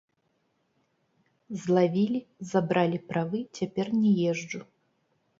Злавілі, забралі правы, цяпер не езджу.